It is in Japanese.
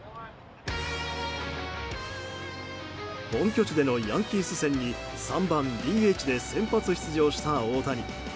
本拠地でのヤンキース戦に３番ＤＨで先発出場した大谷。